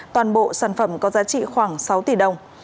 toàn bộ sản phẩm có giá trị khoảng sáu tỷ đồng